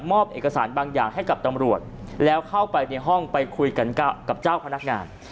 เอกสารบางอย่างให้กับตำรวจแล้วเข้าไปในห้องไปคุยกันกับเจ้าพนักงาน